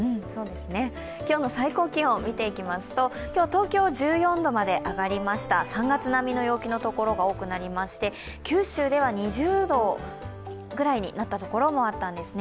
今日の最高気温、見ていきますと今日、東京は１４度まで上がりました３月並みの陽気になるところも多くありまして、九州では２０度ぐらいになった所もあったんですね。